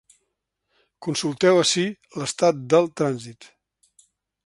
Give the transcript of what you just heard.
Consulteu ací l’estat del trànsit.